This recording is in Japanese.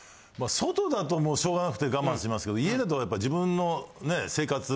外だとしょうがなくて我慢しますけど家だとやっぱ自分のね生活。